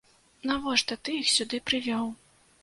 Навошта ты іх сюды прывёў?